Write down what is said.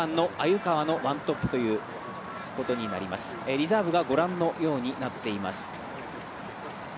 リザーブがご覧のようになっています。